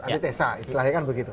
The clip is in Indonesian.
antitesa istilahnya kan begitu